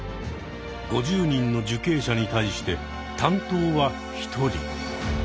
５０人の受刑者に対して担当は１人。